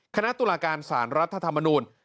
คณะตุลาการสารรัฐธรรมนูล